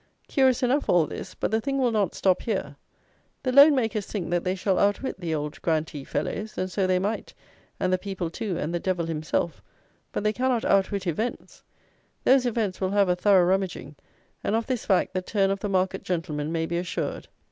Curious enough all this; but, the thing will not stop here. The Loan makers think that they shall outwit the old grantee fellows; and so they might, and the people too, and the devil himself; but they cannot out wit events. Those events will have a thorough rummaging; and of this fact the "turn of the market" gentlemen may be assured.